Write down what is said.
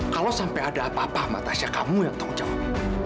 kalau sampai ada apa apa matahari kamu yang tanggung jawab